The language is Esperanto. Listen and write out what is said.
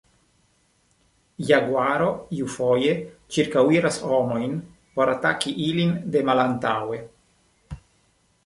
Jaguaro iufoje ĉirkaŭiras homojn por ataki ilin de malantaŭe.